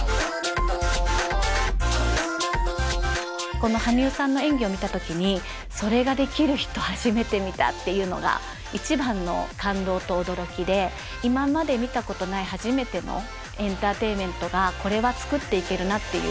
この羽生さんの演技を見た時にそれができる人初めて見たっていうのが一番の感動と驚きで今まで見たことない初めてのエンターテインメントがこれは作っていけるなっていう。